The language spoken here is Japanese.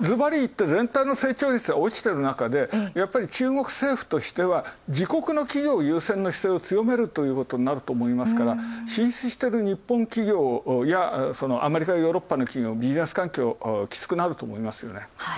ずばり言って、全体の成長率がおちているなかでやっぱり中国政府としては自国の企業優先の姿勢を強めるということになりますから進出している日本企業アメリカやヨーロッパの企業、ビジネス環境きつくなると思います。